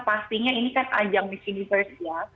pastinya ini kan ajang miss universe ya